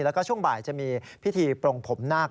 แล้วก็ช่วงบ่ายจะมีพิธีปรงผมนาค